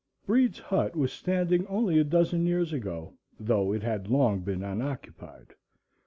Breed's hut was standing only a dozen years ago, though it had long been unoccupied.